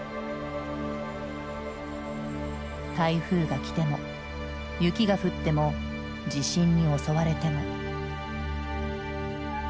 台風がきても雪が降っても地震に襲われても。